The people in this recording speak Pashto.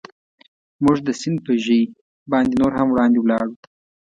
موږ د سیند پر ژۍ باندې نور هم وړاندې ولاړو.